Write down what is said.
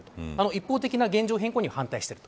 一方的な現状変更には反対している。